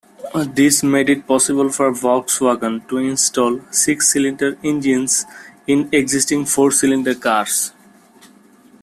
This made it possible for Volkswagen to install six-cylinder engines in existing four-cylinder cars.